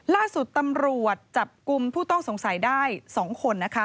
ล่าสุดตำรวจจับกลุ่มผู้ต้องสงสัยได้๒คนนะคะ